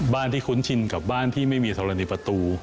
ที่คุ้นชินกับบ้านที่ไม่มีธรณีประตู